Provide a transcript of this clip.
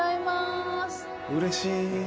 うれしい。